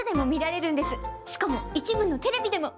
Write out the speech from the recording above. しかも一部のテレビでも。